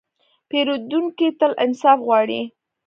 پیرودونکی تل انصاف غواړي.